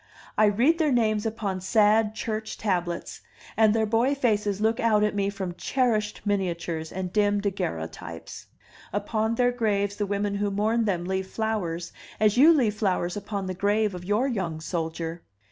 I read their names upon sad church tablets, and their boy faces look out at me from cherished miniatures and dim daguerreotypes. Upon their graves the women who mourn them leave flowers as you leave flowers upon the grave of your young soldier.